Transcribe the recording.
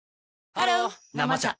ハロー「生茶」